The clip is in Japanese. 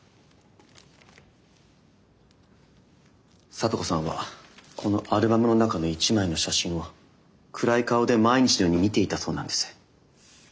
咲都子さんはこのアルバムの中の一枚の写真を暗い顔で毎日のように見ていたそうなんです。